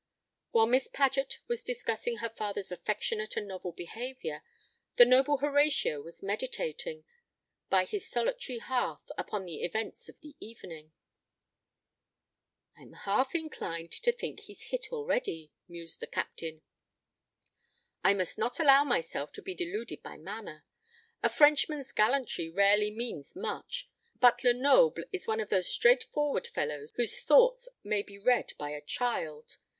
While Miss Paget was discussing her father's affectionate and novel behaviour, the noble Horatio was meditating, by his solitary hearth, upon the events of the evening. "I'm half inclined to think he's hit already," mused the Captain. "I must not allow myself to be deluded by manner. A Frenchman's gallantry rarely means much; but Lenoble is one of those straightforward fellows whose thoughts may be read by a child.